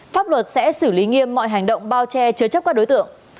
pháp luật sẽ xử lý nghiêm mọi hành động bao che chứa chấp các đối tượng